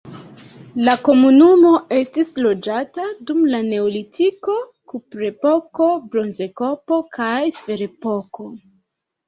La komunumo estis loĝata dum la neolitiko, kuprepoko, bronzepoko kaj ferepoko.